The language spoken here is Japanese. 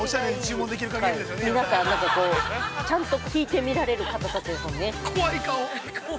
皆さん、なんかこうちゃんと引いて見られる方たちですもんね。